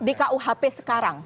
di kuhp sekarang